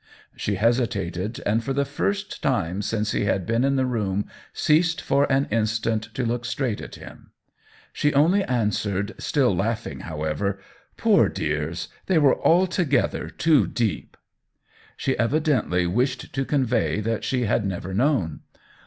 She hesitated, and for the first time since he had been in the room ceased for an in stant to look straight at him. She only an swered, still laughing however, " Poor dears — they were altogether too deep !" She evidently wished to convey that she had never known.